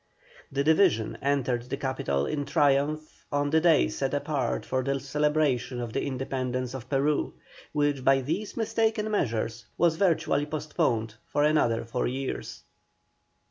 The division entered the capital in triumph on the day set apart for the celebration of the Independence of Peru, which by these mistaken measures was virtually postponed for another four years.